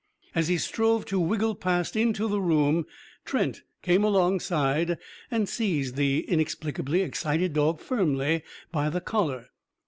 As he strove to wriggle past into the room Trent came alongside and seized the inexplicably excited dog firmly by the collar.